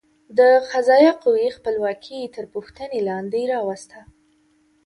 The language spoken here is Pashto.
د قضایه قوې خپلواکي تر پوښتنې لاندې راوسته.